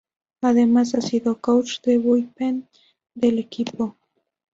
Además ha sido coach de bullpen del equipo.